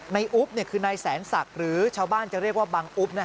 อุ๊บคือนายแสนศักดิ์หรือชาวบ้านจะเรียกว่าบังอุ๊บ